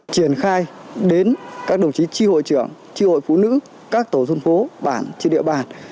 triển khai đến các đồng chí tri hội trưởng tri hội phụ nữ các tổ dân phố bản trên địa bàn